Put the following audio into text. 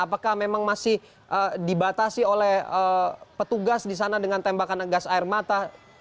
apakah memang masih dibatasi oleh petugas di sana dengan tembakan gas air mata